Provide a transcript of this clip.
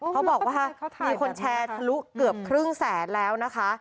เขาบอกว่ามีคนแชร์ทะลุเกือบครึ่งแสนแล้วนะคะ